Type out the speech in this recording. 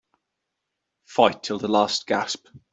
Fight till the last gasp